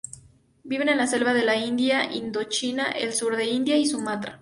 Vive en las selvas de la India, Indochina, el sur de China y Sumatra.